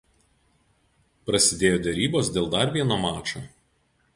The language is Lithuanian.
Prasidėjo derybos dėl dar vieno mačo.